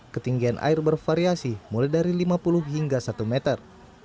ketinggian air bervariasi mulai dari lima puluh hingga satu meter